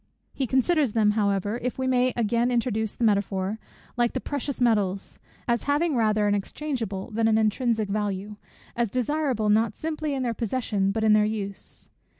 He considers them however, if we may again introduce the metaphor, like the precious metals, as having rather an exchangeable than an intrinsic value, as desirable not simply in their possession, but in their use.